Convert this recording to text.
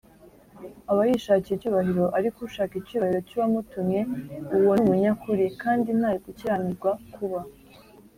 aba yishakira icyubahiro ariko ushaka icyubahiro cy uwamutumye uwo ni umunyakuri kandi nta gukiranirwa kuba